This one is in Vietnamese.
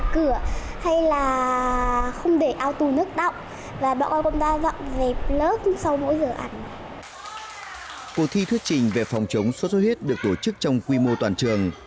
cuộc thi thuyết trình về phòng chống sốt xuất huyết được tổ chức trong quy mô toàn trường